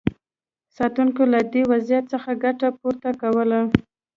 ساتونکو له دې وضعیت څخه ګټه پورته کوله.